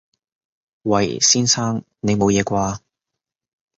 喂！先生！你冇嘢啩？